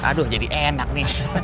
aduh jadi enak nih